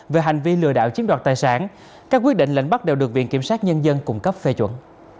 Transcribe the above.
về hành vi lừa đảo chiếm đoạt tài sản các quyết định lệnh bắt đều được viện kiểm sát nhân dân cung cấp phê chuẩn